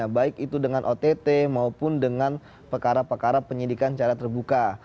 baik itu dengan ott maupun dengan perkara perkara penyidikan secara terbuka